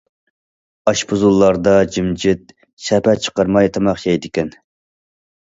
ئاشپۇزۇللاردا جىمجىت، شەپە چىقارماي تاماق يەيدىكەن.